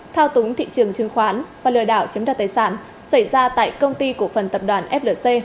thao túng thị trường chứng khoán và lừa đảo chiếm đặt tài sản xảy ra tại công ty cổ phần tập đoàn flc